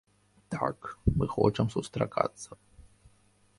Так, мы хочам сустракацца.